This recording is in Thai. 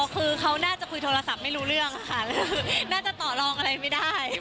คือเขาน่าจะคุยโทรศัพท์ไม่รู้เรื่องค่ะน่าจะต่อลองอะไรไม่ได้